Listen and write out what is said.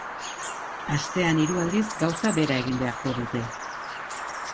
Astean hiru aldiz gauza bera egin beharko dute.